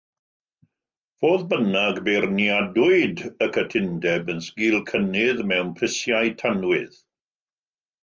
Fodd bynnag, beirniadwyd y cytundeb yn sgil cynnydd mewn prisiau tanwydd.